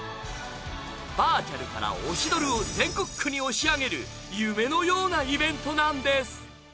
バーチャルから推しドルを全国区に押し上げる夢のようなイベントなんです。